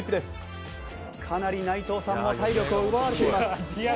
かなり内藤さんも体力を奪われています。